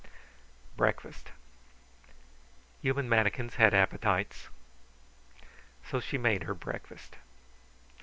Breakfast. Human manikins had appetites. So she made her breakfast.